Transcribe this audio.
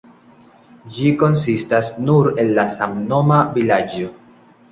Ĝi konsistas nur el la samnoma vilaĝo.